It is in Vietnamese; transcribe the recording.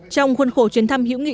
trong khuôn khổ chuyến thăm hữu nghị